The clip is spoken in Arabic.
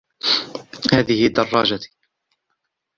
هذه دراجتي.